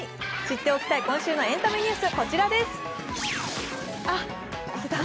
知っておきたい今週のエンタメニュース、こちらです。